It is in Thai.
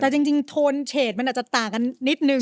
แต่จริงโทนเฉดมันอาจจะต่างกันนิดนึง